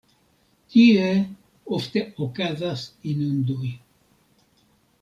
Tie ofte okazas inundoj.